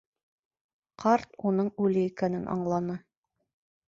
Ҡарт уның үле икәнен аңланы.